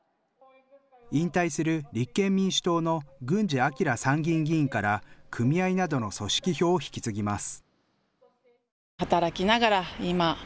引退する立憲民主党の郡司彰参議院議員から組合などの組織票を引き継ぎます。